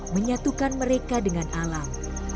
menyatukan mereka dengan alam